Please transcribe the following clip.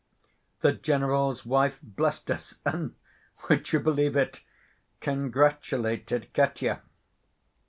The general's wife blessed us, and—would you believe it?—congratulated Katya.